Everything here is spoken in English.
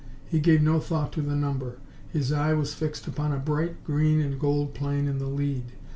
He gave no thought to the number. His eye was fixed upon a bright green and gold plane in the lead.